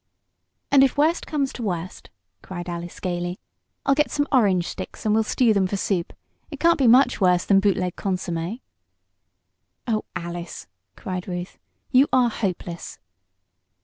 "And if worse comes to worst!" cried Alice, gaily, "I'll get some orange sticks and we'll stew them for soup. It can't be much worse than boot leg consomme." "Oh, Alice!" cried Ruth. "You are hopeless."